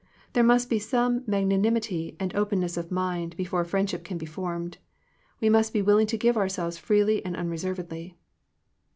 There must be some mag nanimity and openness of mind, before a friendship can be formed. We must be willing to give ourselves freely and unre servedly.